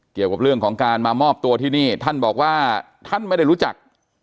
เกี่ยวกับเรื่องของการมามอบตัวที่นี่ท่านบอกว่าท่านไม่ได้รู้จัก